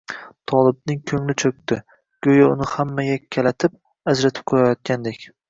Tolibning ko‘ngli cho‘kdi, go‘yo uni hamma yakkalatib, ajratib qo‘yayotgandek